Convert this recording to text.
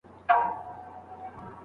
آیا خپل کلی تر پردي کلي ښکلی دی؟